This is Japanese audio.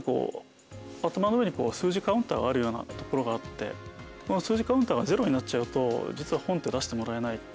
頭の上に数字カウンターがあるようなところがあって数字カウンターがゼロになっちゃうと実は本って出してもらえない。